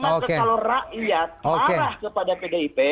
maka kalau rakyat marah kepada pdip